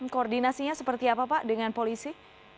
koordinasinya seperti apa pak dengan polisi